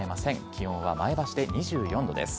気温は前橋で２４度です。